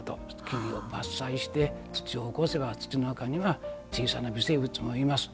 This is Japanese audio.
木々を伐採して土をおこせば、土の中には小さな微生物もいます。